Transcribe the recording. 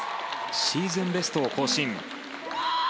シーズンベストを更新。